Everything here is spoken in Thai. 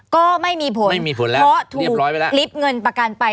ก็ไม่มีผลเพราะถูกลิบเงินประกันไป